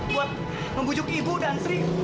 buat membujuk ibu dan sri